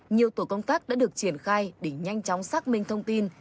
nhiều tổ công tác đã được triển khai để nhanh chóng xác minh thông tin